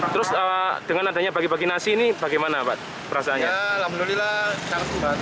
terus dengan adanya bagi bagi nasi ini bagaimana pak rasanya alhamdulillah